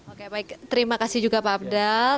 oke baik terima kasih juga pak abdal